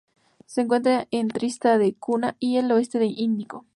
Se encuentra en Tristan da Cunha y al oeste del Índico.